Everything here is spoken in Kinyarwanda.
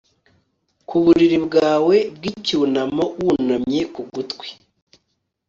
ku buriri bwawe bw'icyunamo, wunamye ku gutwi